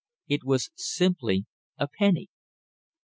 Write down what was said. It was simply a penny.